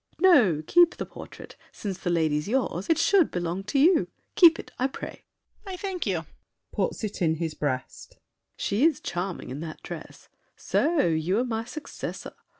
No, keep the portrait; since the lady's yours, It should belong to you. Keep it, I pray. DIDIER. I thank you! [Puts it in his breast. SAVERNY. She is charming in that dress. So you are my successor!